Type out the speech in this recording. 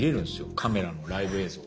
カメラのライブ映像を。